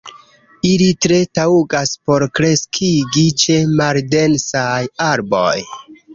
Ili tre taŭgas por kreskigi ĉe maldensaj arboj.